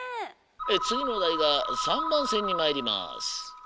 つぎのおだいが３ばんせんにまいります。